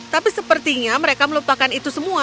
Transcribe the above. tapi sepertinya mereka melupakan itu semua